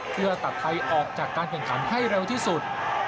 เพื่อตัดไทยออกจากการแข่งขันให้เร็วที่สุด